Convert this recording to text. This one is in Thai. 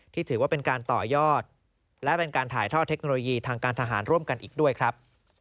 ถือว่าเป็นการต่อยอดและเป็นการถ่ายทอดเทคโนโลยีทางการทหารร่วมกันอีกด้วยครับ